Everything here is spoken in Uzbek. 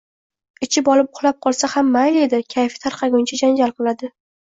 Ichib olib, uxlab qolsa ham mayli edi, kayfi tarqaguncha janjal qiladi